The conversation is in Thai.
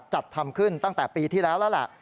จัดทำขึ้นตั้งแต่ปีที่แล้วแล้วล่ะ